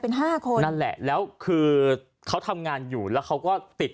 เป็นห้าคนนั่นแหละแล้วคือเขาทำงานอยู่แล้วเขาก็ติด